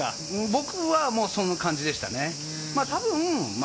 僕はそんな感じでしたね。